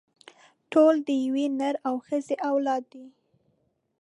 ټول د يوه نر او ښځې اولاده دي.